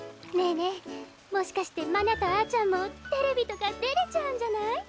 ねぇねぇもしかしてまなとあちゃんもテレビとか出られちゃうんじゃない？